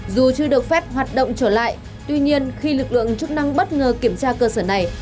dù chưa được phép hoạt động trở lại tuy nhiên khi lực lượng chức năng bất ngờ kiểm tra cơ sở này